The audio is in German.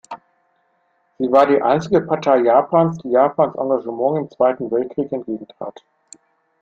Sie war die einzige Partei Japans, die Japans Engagement im Zweiten Weltkrieg entgegentrat.